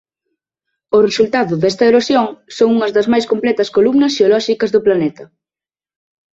O resultado desta erosión son unhas das máis completas columnas xeolóxicas do planeta.